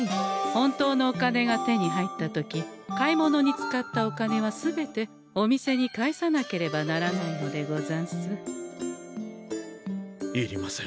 本当のお金が手に入った時買い物に使ったお金は全てお店に返さなければならないのでござんす。いりません。